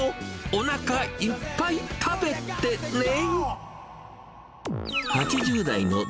おなかいっぱい食べてね。